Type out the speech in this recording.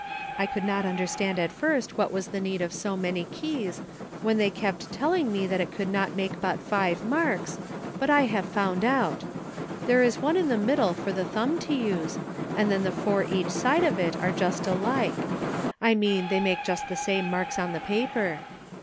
I could not under stand at first what was the need of so many keys, when they kept telling me that it could 264 LEARNING. not make but five marks, but I have found out ; there is one in the middle for the thumb to use, then the four each side of it are just alike. I mean they make just the same marks on the paper.